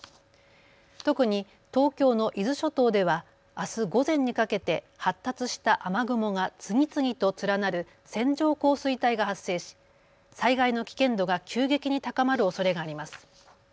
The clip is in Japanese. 特に東京の伊豆諸島ではあす午前にかけて発達した雨雲が次々と連なる線状降水帯が発生し災害の危険度が急激に高まるおそれがあります。